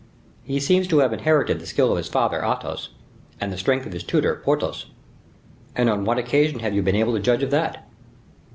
"He seems to have inherited the skill of his father, Athos, and the strength of his tutor, Porthos." "And on what occasion have you been able to judge of that?"